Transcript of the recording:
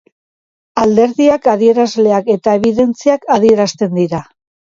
Alderdiak, adierazleak eta ebidentziak adierazten dira.